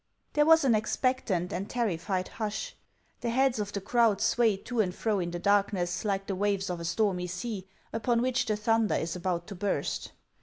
There was an expectant and terrified hush ; the heads of the crowd swayed to and fro in the darkness like the waves of a stormy sea, upon which the thunder is about to burst.